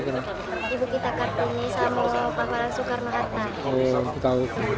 ibu kita kartini sama pahlawan soekarno hatta